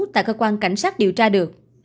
tại cơ quan cảnh sát điều tra được